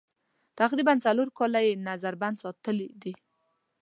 تقریباً څلور کاله یې نظر بند ساتلي دي.